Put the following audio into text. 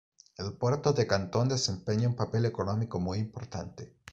El Puerto de Cantón desempeña un papel económico muy importante.